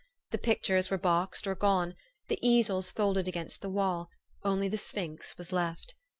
The pictures were boxed or gone ; the easels folded against the wall ; only the sphinx was left.